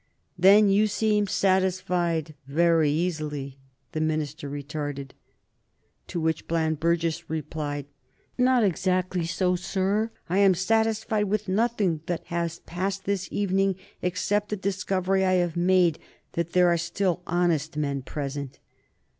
"Then you seem satisfied very easily," the minister retorted; to which Bland Burges replied, "Not exactly so, sir. I am satisfied with nothing that has passed this evening except the discovery I have made that there were still honest men present."